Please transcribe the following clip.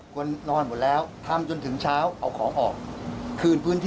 คนนอนหมดแล้วทำจนถึงเช้าเอาของออก